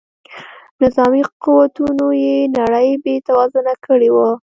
نظامي قوتونو یې نړۍ بې توازونه کړې وه.